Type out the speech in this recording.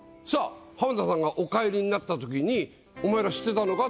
浜田さんがお帰りになった時にお前ら知ってたのか？